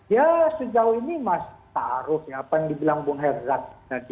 ya sejauh ini masih taruh ya apa yang dibilang pun herzat